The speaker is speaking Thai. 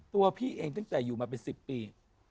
ตัวพี่เองตั้งแต่อยู่มาเป็น๑๐ปี